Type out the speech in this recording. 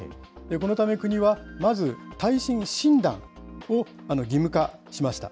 このため、国はまず、耐震診断を義務化しました。